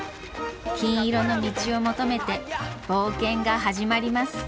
金色の道を求めて冒険が始まります。